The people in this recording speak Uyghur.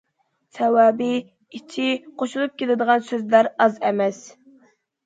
سەۋەبى،‹‹ ئىچى›› قوشۇلۇپ كېلىدىغان سۆزلەر ئاز ئەمەس.